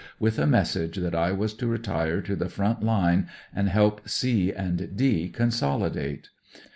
with a message that T rr^s to retire to the front hne and help *C* and 'D* consohdate.